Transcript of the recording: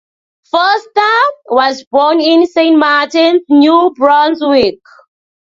Foster was born in Saint Martins, New Brunswick.